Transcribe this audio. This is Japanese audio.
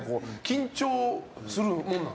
緊張するもんなんすか？